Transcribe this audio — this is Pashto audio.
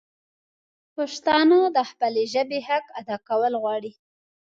پښتانه د خپلي ژبي حق ادا کول غواړي